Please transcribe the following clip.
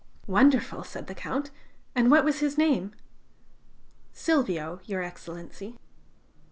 "Wonderful!" said the Count. "And what was his name?" "Silvio, Your Excellency."